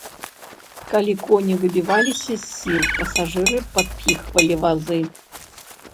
Калі коні выбіваліся з сіл, пасажыры падпіхвалі вазы.